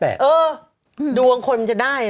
เออดวงคนมันจะได้